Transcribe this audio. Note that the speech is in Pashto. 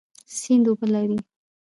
سیند اوبه لري